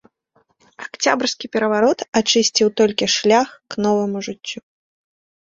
Акцябрскі пераварот ачысціў толькі шлях к новаму жыццю.